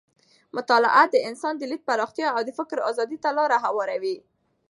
مطالعه د انسان د لید پراختیا او د فکر ازادۍ ته لاره هواروي.